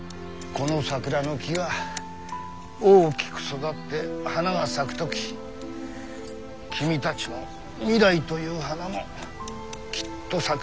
この桜の木が大きく育って花が咲く時君たちの未来という花もきっと咲く。